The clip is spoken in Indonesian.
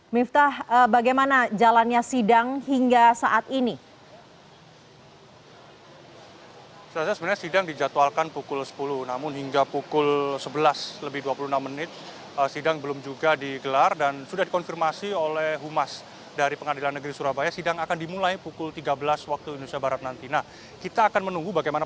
miftah bagaimana jalannya sidang hingga saat ini